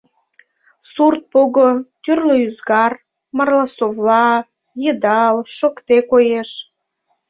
Сурт пого, тӱрлӧ ӱзгар — марласовла, йыдал, шокте — коеш.